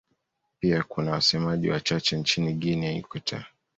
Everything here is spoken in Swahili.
Pia kuna wasemaji wachache nchini Guinea ya Ikweta.